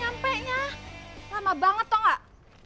nyampenya lama banget toh gak